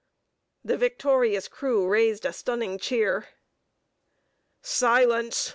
The victorious crew raised a stunning cheer. "Silence!"